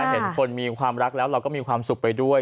เห็นคนมีความรักแล้วเราก็มีความสุขไปด้วย